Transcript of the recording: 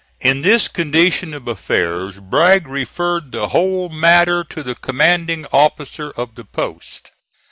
In this condition of affairs Bragg referred the whole matter to the commanding officer of the post.